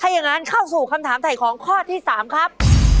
ถ้ายังงั้นเข้าถึงคำถามไถ่ของข้อที่๓ครับ